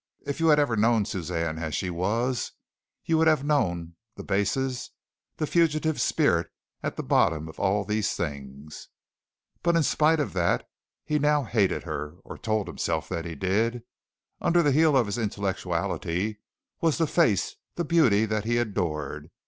If you had ever known Suzanne as she was you would have known the basis the fugitive spirit at the bottom of all these things. But in spite of that he now hated her or told himself that he did. Under the heel of his intellectuality was the face, the beauty that he adored.